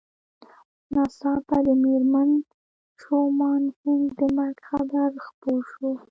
ناڅاپه د مېرمن شومان هينک د مرګ خبر خپور شو